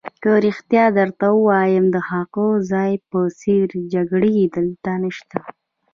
که رښتیا درته ووایم، د هغه ځای په څېر جګړې دلته نشته.